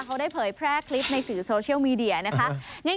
เขาได้เผยแพร่คลิปในสื่อโซเชียลมีเดียนะคะ